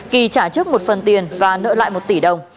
kỳ trả trước một phần tiền và nợ lại một tỷ đồng